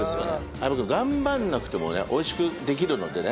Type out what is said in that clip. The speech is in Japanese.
相葉君頑張らなくてもねおいしくできるのでね